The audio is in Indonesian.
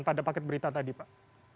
pada paket berita tadi pak